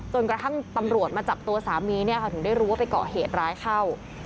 จนกระทั่งตำรวจมาจับตัวสามีถึงได้รู้ว่าไปเกาะเหตุร้ายเข้า